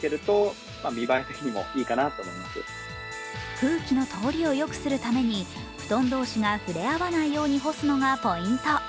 空気の通りをよくするために、布団同士が触れ合わないように干すのがポイント。